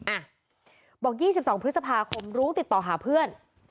อ่ะบอก๒๒พฤษภาคมรู้ติดต่อหาเพื่อน